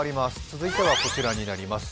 続いてはこちらになります。